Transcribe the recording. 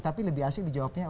tapi lebih asing dijawabnya